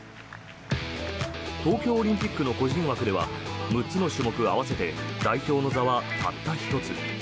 東京オリンピックの個人枠では６つの種目合わせて代表の座はたった１つ。